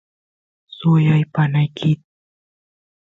suyay panaykit